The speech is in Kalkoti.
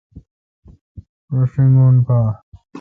رو شینگون پا۔